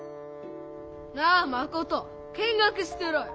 なあマコト見学してろよ。